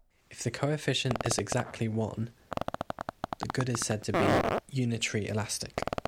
If the coefficient is exactly one, the good is said to be "unitary elastic".